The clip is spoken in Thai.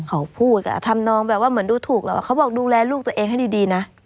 เขาพูดทำนองแบบว่าเหมือนดูถูกแล้วว่าเขาบอกดูแลลูกตัวเองให้ดีนะ